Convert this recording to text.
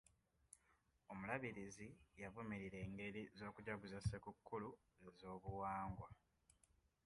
Omulabirizi yavumirira engeri z'okujaguza ssekukulu ez'obuwangwa.